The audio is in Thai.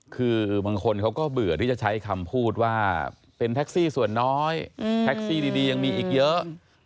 คือบางคนเขาก็เบื่อที่จะใช้คำพูดว่าเป็นแท็กซี่ส่วนน้อยแท็กซี่ดียังมีอีกเยอะ